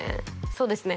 そうですね